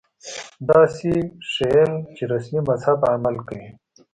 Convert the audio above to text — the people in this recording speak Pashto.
داسې ښييل چې رسمي مذهب عمل کوي